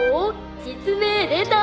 実名出た！